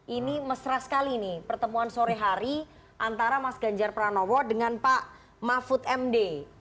ini mesra sekali nih pertemuan sore hari antara mas ganjar pranowo dengan pak mahfud md